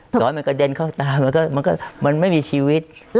ซ้อยอันต่อกระเด็นเข้าตามันไม่มีชีวิต